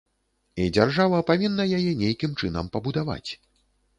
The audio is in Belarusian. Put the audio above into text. І дзяржава павінна яе нейкім чынам пабудаваць.